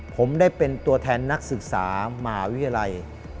ผมได้เป็นตัวแทนนักศึกษามหาวิทยาลัย